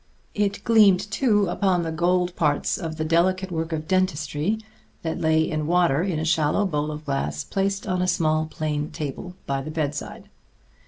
It gleamed, too, upon the gold parts of the delicate work of dentistry that lay in water in a shallow bowl of glass placed on a small, plain table by the bedside.